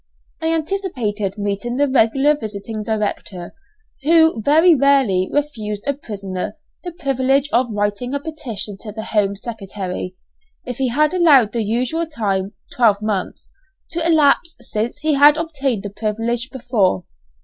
I anticipated meeting the regular visiting director, who very rarely refused a prisoner the privilege of writing a petition to the Home Secretary, if he had allowed the usual time (twelve months) to elapse since he had obtained the privilege before.